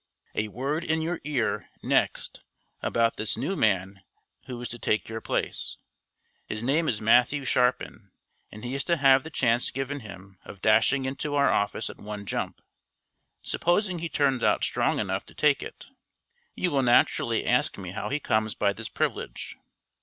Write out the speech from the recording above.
A word in your ear, next, about this new man who is to take your place. His name is Matthew Sharpin, and he is to have the chance given him of dashing into our office at one jump supposing he turns out strong enough to take it. You will naturally ask me how he comes by this privilege.